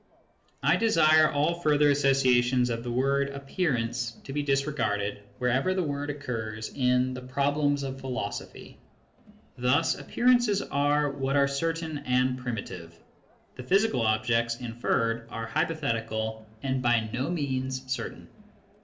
I desire all further associations of the word " appearance " to be disregarded where ever the word occurs in The Problems of Philosophy. Thus, appearances are what are certain and primitive ;' the physical objects inferred are hypothetical and by no means certain.